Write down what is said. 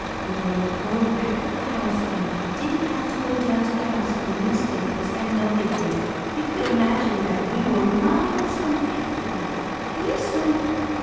We were in a grove back of the house, and if you didn't have to go down to the house for the newspapers and milk and things, you could imagine that we were miles from everyone. Can you swim?"